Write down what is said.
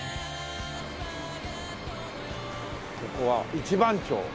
ここは「一番町」。